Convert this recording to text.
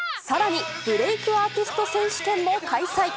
さらに、ブレイクアーティスト選手権も開催。